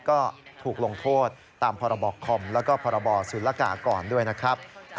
ก็ถูกลงโทษตามพรบคอมแล้วก็พรบศุลกากรด้วยนะครับ